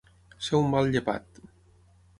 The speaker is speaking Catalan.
Ser un mal llepat.